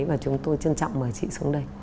và chúng tôi trân trọng mời chị xuống đây